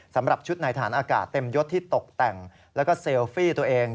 สำหรับชุดในฐานอากาศเต็มยศที่ตกแต่งแล้วก็เซลฟี่ตัวเอง